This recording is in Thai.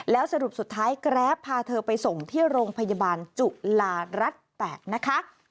แล้วสรุปสุดท้ายแกรปพาเธอไปส่งที่โรงพยาบาลจุฬารัฐ๘นะคะ